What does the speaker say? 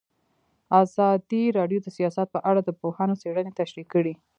ازادي راډیو د سیاست په اړه د پوهانو څېړنې تشریح کړې.